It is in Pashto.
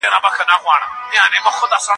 كه د ښځو پرې سېنې سي